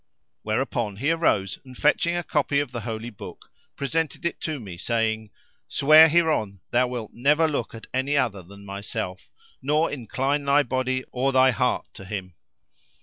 Whereupon he arose and fetching a copy of the Holy Book presented it to me saying "Swear hereon thou wilt never look at any other than myself nor incline thy body or thy heart to him."